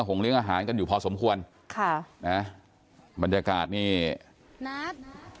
เลี้ยงอาหารกันอยู่พอสมควรค่ะนะบรรยากาศนี่นาน